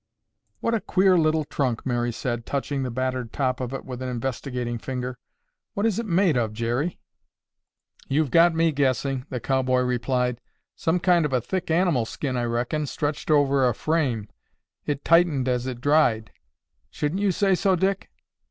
"What a queer little trunk," Mary said, touching the battered top of it with an investigating finger. "What is it made of, Jerry?" "You've got me guessing," the cowboy replied. "Some kind of a thick animal skin, I reckon, stretched over a frame. It tightened as it dried. Shouldn't you say so, Dick?"